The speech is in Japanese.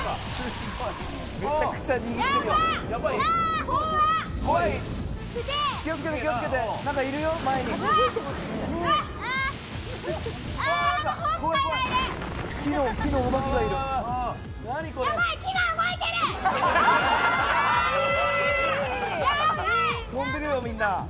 すごい！飛んでるよみんな。